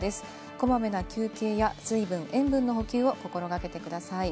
こまめな休憩や水分・塩分の補給を心掛けてください。